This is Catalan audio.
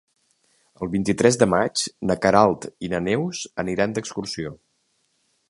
El vint-i-tres de maig na Queralt i na Neus aniran d'excursió.